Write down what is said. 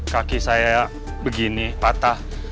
kaki saya begini patah